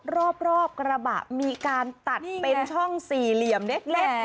รอบกระบะมีการตัดเป็นช่องสี่เหลี่ยมเล็ก